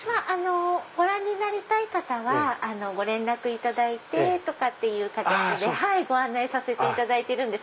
ご覧になりたい方はご連絡いただいてという形でご案内させていただいてるんです。